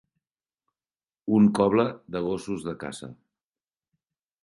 Un coble de gossos de caça.